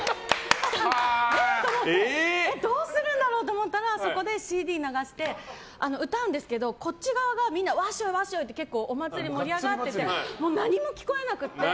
え！と思ってどうするんだろうと思ったらそこでＣＤ流して歌うんですけどこっち側がみんなわっしょい、わっしょいってお祭りが盛り上がっていて何も聞こえなくて。